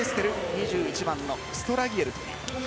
２１番、ストラギエル。